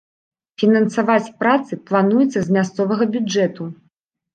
Фінансаваць працы плануецца з мясцовага бюджэту.